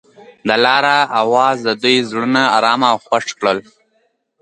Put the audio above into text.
د لاره اواز د دوی زړونه ارامه او خوښ کړل.